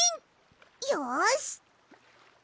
よし！